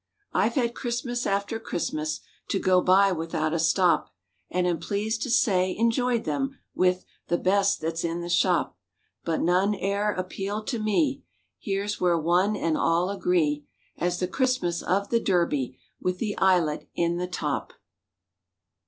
I've had Christmas after Christmas To go by without a stop; And am pleased to say, enjoyed them, With "the best that's in the shop." But none e'er appealed to me— (Here's where one and all agree) As the Christmas of the Derby With the eyelet in the top.